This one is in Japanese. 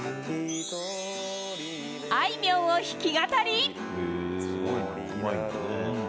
あいみょんを弾き語り。